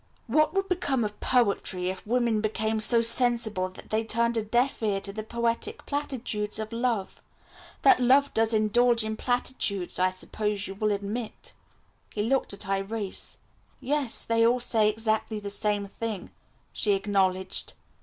"What would become of poetry if women became so sensible that they turned a deaf ear to the poetic platitudes of love? That love does indulge in platitudes I suppose you will admit." He looked at Irais. "Yes, they all say exactly the same thing," she acknowledged.